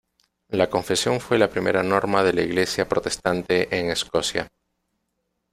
La confesión fue la primera norma de la Iglesia protestante en Escocia.